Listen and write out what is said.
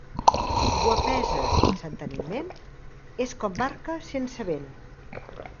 Guapesa sense enteniment és com barca sense vent.